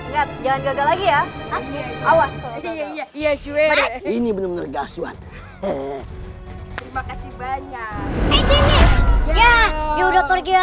ya jangan gagal lagi ya awas iya ini bener bener gaswat terima kasih banyak